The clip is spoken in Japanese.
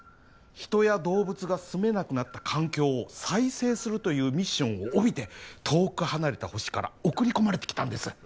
人や動物が住めなくなった環境を再生するというミッションを帯びて遠く離れた星から送り込まれてきたんです